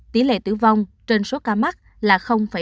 tỷ lệ tử vong trên số ca mắc là bảy